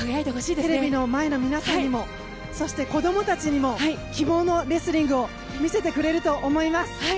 テレビの前の皆さんにもそして子どもたちにも希望のレスリングを見せてくれると思います。